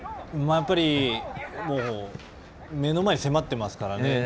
やっぱり目の前に迫っていますからね。